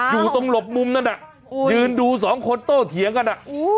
อยู่ตรงหลบมุมนั่นน่ะยืนดูสองคนโต้เถียงกันอ่ะ